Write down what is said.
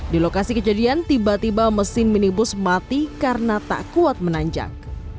di lokasi kejadian tiba tiba mesin minibus mati karena tak kuat menanjak